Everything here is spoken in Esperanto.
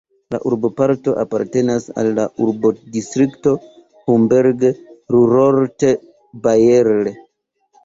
La urboparto apartenas al la urbodistrikto Homberg-Ruhrort-Baerl.